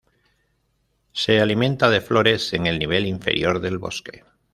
Se alimenta de flores en el nivel inferior del bosque.